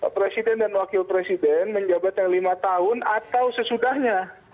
presiden dan wakil presiden menjabat yang lima tahun atau sesudahnya